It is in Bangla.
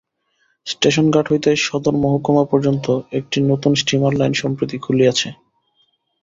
স্টেশন ঘাট হইতে সদর মহকুমা পর্যন্ত একটি নূতন স্টিমার লাইন সম্প্রতি খুলিয়াছে।